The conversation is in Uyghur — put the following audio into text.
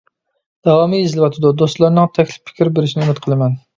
داۋامى يېزىلىۋاتىدۇ. دوستلارنىڭ تەكلىپ پىكىر بېرىشىنى ئۈمىد قىلىمەن.